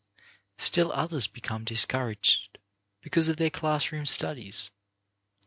Still others become discouraged because of their classroom studies.